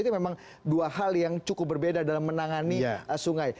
itu memang dua hal yang cukup berbeda dalam menangani sungai